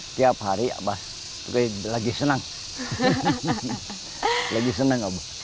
setiap hari abah lagi senang lagi senang abah